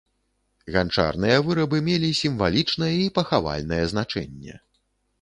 Ганчарныя вырабы мелі сімвалічнае і пахавальнае значэнне.